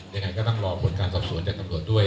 ยังไงก็ต้องรอผลการสอบสวนจากตำรวจด้วย